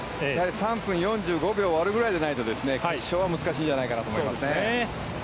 ３分４５秒を割るぐらいじゃないと決勝は難しいんじゃないかなと思いますね。